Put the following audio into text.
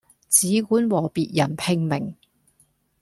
只管和別人拼命